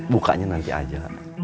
bukanya nanti saja